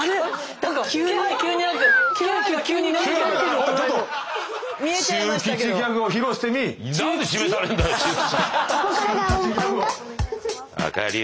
何で指名されんだよ！